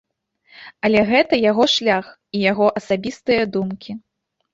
Але гэта яго шлях і яго асабістыя думкі.